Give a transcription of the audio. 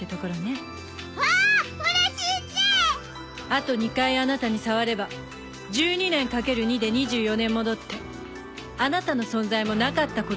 あと２回あなたに触れば１２年掛ける２で２４年戻ってあなたの存在もなかったことにできるわ。